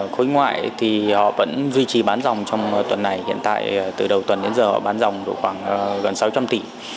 khối ngoại thì họ vẫn duy trì bán dòng trong tuần này hiện tại từ đầu tuần đến giờ họ bán dòng được khoảng gần sáu trăm linh tỷ